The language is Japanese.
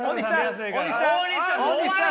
大西さん！